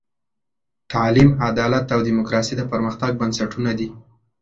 تعلیم، عدالت او دیموکراسي د پرمختګ بنسټونه دي.